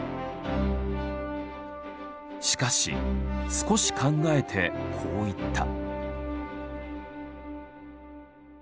しかし少し考えてこう言った。